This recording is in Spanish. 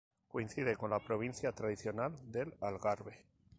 Coincide con la provincia tradicional del Algarve.